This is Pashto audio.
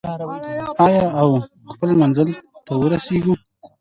آیا او خپل منزل ته ورسیږو؟